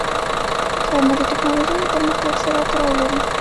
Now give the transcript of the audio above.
ښارونه د تکنالوژۍ له پرمختګ سره تړاو لري.